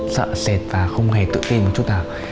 sợ sệt và không hề tự tin một chút nào